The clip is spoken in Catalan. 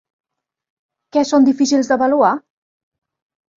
Què són difícils d'avaluar?